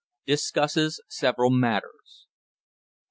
DISCUSSES SEVERAL MATTERS.